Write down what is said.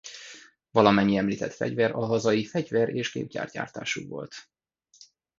Valamennyi említett fegyver a hazai Fegyver és Gépgyár gyártású volt.